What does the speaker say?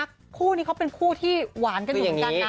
คู่นี้เขาเป็นคู่ที่หวานกันอยู่ด้านนะ